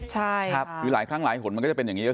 หลายครั้งหลายขนมันก็จะเป็นอย่างนี้